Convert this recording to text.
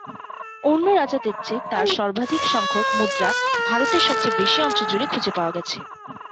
অন্য রাজাদের চেয়ে তার সর্বাধিক সংখ্যক মুদ্রা ভারতের সবচেয়ে বেশি অঞ্চল জুড়ে খুঁজে পাওয়া গেছে।